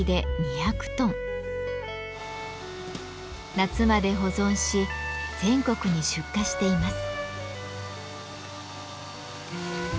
夏まで保存し全国に出荷しています。